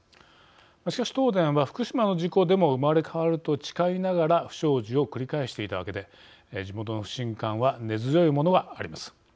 しかし、東電は福島の事故でも生まれ変わると誓いながら不祥事を繰り返していたわけで地元の不信感は根強いものがあります。